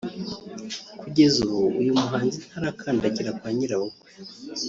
kugeza ubu uyu muhanzi ntarakandagira kwa nyirabukwe